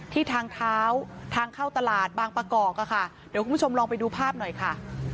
ทางเท้าทางเข้าตลาดบางประกอบอะค่ะเดี๋ยวคุณผู้ชมลองไปดูภาพหน่อยค่ะ